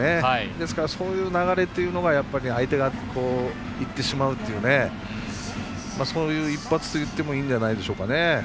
ですから、そういう流れというのが相手がいってしまうっていうそういう一発といってもいいんじゃないでしょうかね。